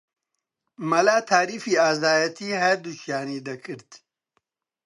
مەلا تاریفی ئازایەتیی هەردووکیانی دەکرد